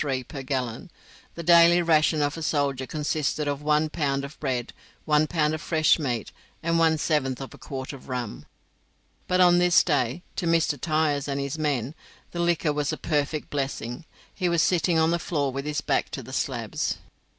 per gallon. The daily ration of a soldier consisted of one pound of bread, one pound of fresh meat, and one seventh of a quart of rum. But on this day, to Mr. Tyers and his men, the liquor was a perfect blessing. He was sitting on the floor with his back to the slabs.